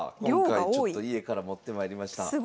今回ちょっと家から持ってまいりました。